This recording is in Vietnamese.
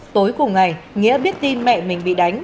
tối cùng ngày nghĩa biết tin mẹ mình bị đánh